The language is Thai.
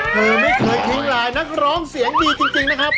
คือไม่เคยทิ้งลายนักร้องเสียงดีจริงนะครับ